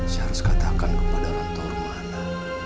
saya harus katakan kepada rantor mana